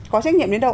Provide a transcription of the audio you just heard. có trách nhiệm đến đâu